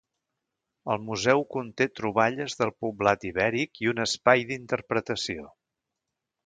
El museu conté troballes del poblat ibèric i un espai d'interpretació.